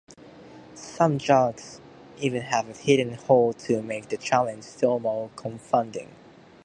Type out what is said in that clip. Some jugs even have a hidden hole to make the challenge still more confounding.